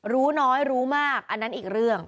รู้น้อยรู้มากอันนั้นอีกเรื่อง